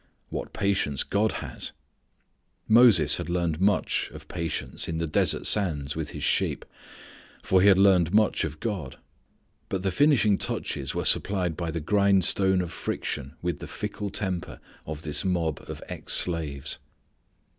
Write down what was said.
What patience God has. Moses had learned much of patience in the desert sands with his sheep; for he had learned much of God. But the finishing touches were supplied by the grindstone of friction with the fickle temper of this mob of ex slaves.